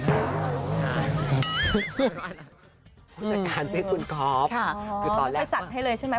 ผู้จัดการชื่อคุณก๊อปคือตอนแรกว่าคือตอนแรกว่าไม่ไปจัดให้เลยใช่ไหม